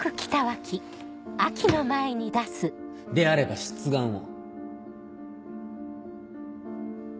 であれば出願を。